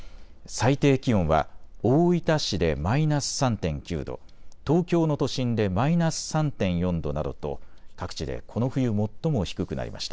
最低気温は大分市でマイナス３．９度、東京の都心でマイナス３．４度などと各地でこの冬、最も低くなりました。